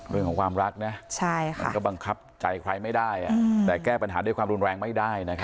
เรื่องของความรักมันก็บังคับใจใครไม่ได้แต่แก้ปัญหาด้วยความรุนแรงไม่ได้